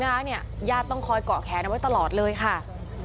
ว่าเนี่ยญาติต้องคอยเกาะแขนไว้ตลอดเลยค่ะ